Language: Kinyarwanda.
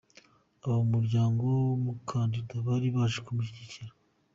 Abo mu muryango w’umukandida bari baje kumushyigikira.